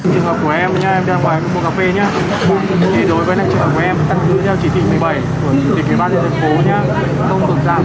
trường hợp của em nha em ra ngoài mua cà phê nhá để đổi với trường hợp của em